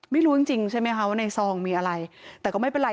ไม่รู้จริงจริงใช่ไหมคะว่าในซองมีอะไรแต่ก็ไม่เป็นไร